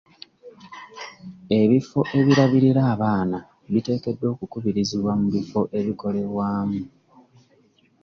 Ebifo ebirabirira abaana biteekeddwa okukubirizibwa mu bifo ebikolebwamu .